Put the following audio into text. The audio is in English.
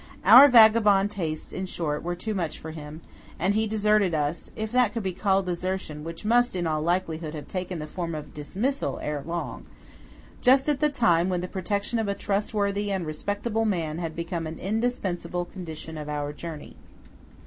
Our vagabond tastes, in short, were too much for him; and he deserted us (if that could be called desertion which must in all likelihood have taken the form of dismissal ere long) just at the time when the protection of a trustworthy and respectable man had become an indispensable condition of our journey.